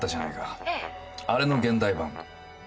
あれの現代版。